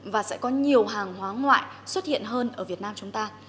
và sẽ có nhiều hàng hóa ngoại xuất hiện hơn ở việt nam chúng ta